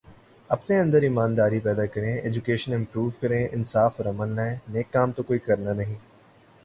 اپنے اندر ایمانداری پیدا کریں، ایجوکیشن امپروو کریں، انصاف اور امن لائیں، نیک کام تو کوئی کرنا نہیں